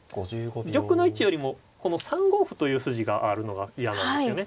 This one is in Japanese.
玉の位置よりもこの３五歩という筋があるのが嫌なんですよね。